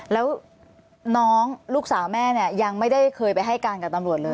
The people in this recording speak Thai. แล้วน้องลูกสาวแม่เนี่ยยังไม่ได้เคยไปให้การกับตำรวจเลย